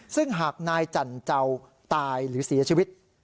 ซึ่งหากนายจันเจ้าตายหรือเสียชีวิต